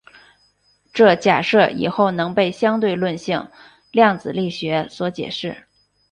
这假设以后能被相对论性量子力学所解释。